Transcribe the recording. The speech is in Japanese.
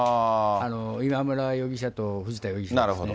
今村容疑者と藤田容疑者がですね。